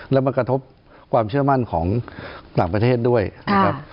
แล้วมันกระทบความเชื่อมั่นของต่างประเทศด้วยนะครับ